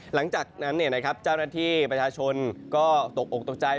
หลังจากนั้นเจ้าหน้าที่ประชาชนก็ตกอกตกใจ